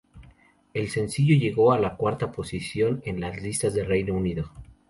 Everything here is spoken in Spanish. El sencillo llegó a la cuarta posición en las listas de Reino Unido.